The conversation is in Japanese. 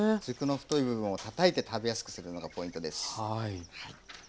軸の太い部分をたたいて食べやすくするのがポイントです。